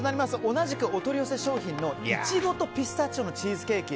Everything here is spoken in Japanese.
同じくお取り寄せ商品のイチゴとピスタチオのチーズケーキ。